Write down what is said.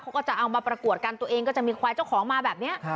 ก็จะเอามาประกวดกันตัวเองก็จะมีควายเจ้าของมาแบบนี้